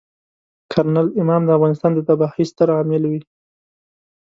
کرنل امام د افغانستان د تباهۍ ستر عامل وي.